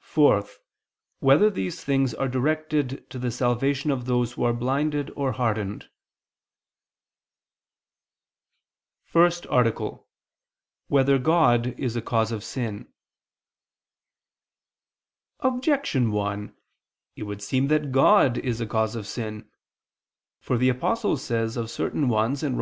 (4) Whether these things are directed to the salvation of those who are blinded or hardened? ________________________ FIRST ARTICLE [I II, Q. 79, Art. 1] Whether God Is a Cause of Sin? Objection 1: It would seem that God is a cause of sin. For the Apostle says of certain ones (Rom.